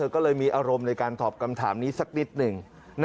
ก็เลยมีอารมณ์ในการตอบคำถามนี้สักนิดหนึ่ง